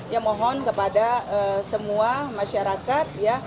ya mohon kepada semua masyarakat